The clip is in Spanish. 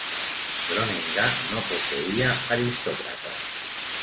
Groninga no poseía aristócratas.